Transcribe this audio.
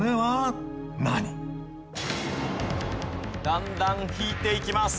だんだん引いていきます。